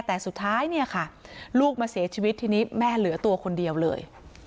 แต่สุดท้ายเนี่ยค่ะลูกมาเสียชีวิตทีนี้แม่เหลือตัวคนเดียวเลย